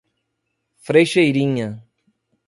Frecheirinha